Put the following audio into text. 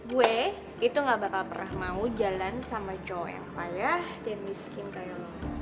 gue itu gak bakal pernah mau jalan sama joe payah dan miskin kayak